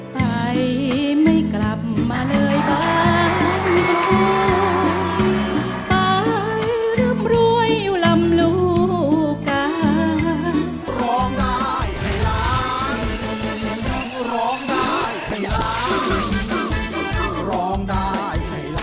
ไปไม่กลับมาเลยบ้านผมไปร่วมรวยอยู่ลำลูกกัน